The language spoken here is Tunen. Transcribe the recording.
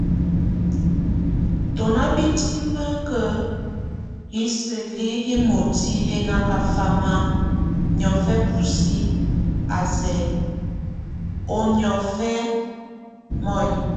Tu nebitimek hiseli himoti hɛ́ nakafama miɔfɛ busi a si á miɔfɛk mɛ.